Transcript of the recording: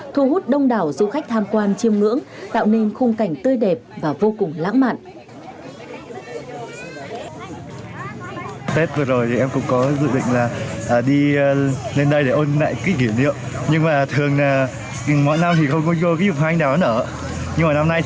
thu hút đông đảo du khách tham quan chiêm ngưỡng tạo nên khung cảnh tươi đẹp và vô cùng lãng mạn